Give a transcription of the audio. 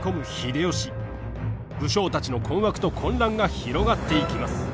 武将たちの困惑と混乱が広がっていきます。